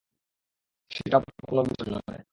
সেটা বড়ো কোনও বিষয় নয়।